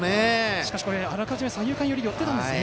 しかしあらかじめ三遊間寄りに寄っていたんですね。